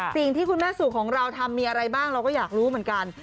สิ่งที่คุณแม่สู่ของเราทำมีอะไรบ้างเราก็อยากรู้เหมือนกัน